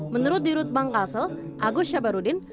menurut dirut bank kasel agus syabarudin